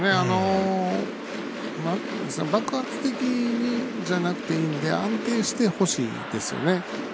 爆発的じゃなくていいんで安定してほしいですよね。